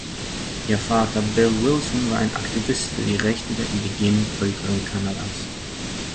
Ihr Vater Bill Wilson war ein Aktivist für die Rechte der indigenen Bevölkerung Kanadas.